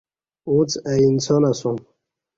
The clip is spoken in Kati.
اُݩڅ اہ انسان اسوم